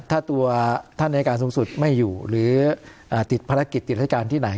ถ้าตัวท่านอายการสูงสุดไม่อยู่หรือติดภารกิจติดรายการที่ไหน